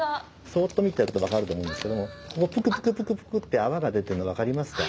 そっと見てると分かると思うんですけどここプクプクプクプクって泡が出てるの分かりますか？